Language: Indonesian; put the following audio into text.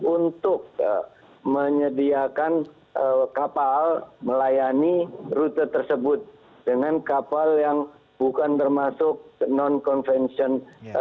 untuk menyediakan kapal melayani rute tersebut dengan kapal yang bukan termasuk non convention